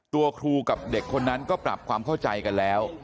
ตัวครูกับเด็กคนนั้นก็ปรับความเข้าใจกันแล้ว